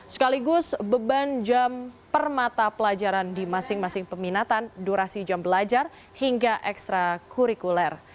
sekaligus beban jam permata pelajaran di masing masing peminatan durasi jam belajar hingga ekstra kurikuler